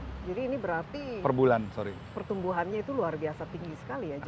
jadi ini berarti pertumbuhannya itu luar biasa tinggi sekali ya